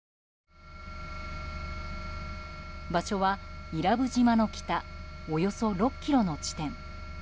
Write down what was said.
場所は伊良部島の北およそ６ｋｍの地点。